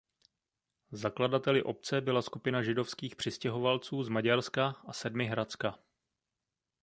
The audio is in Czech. Zakladateli obce byla skupina židovských přistěhovalců z Maďarska a Sedmihradska.